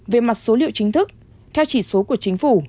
về mặt số liệu chính thức theo chỉ số của chính phủ